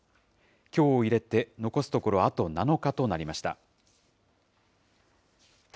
きょうを入れて残すところあと７日となりました。